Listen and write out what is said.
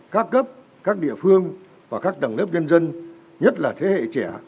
đã cấp các địa phương và các đẳng lớp nhân dân nhất là thế hệ trẻ